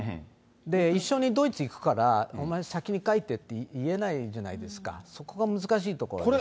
一緒にドイツ行くから、お前、先に帰ってって言えないじゃないですか、そこが難しいとこですよ